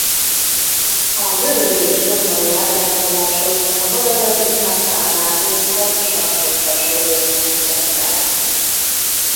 A görög és római ábrázolások a madarat inkább pávához vagy sashoz hasonlónak mutatták.